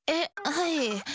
はい。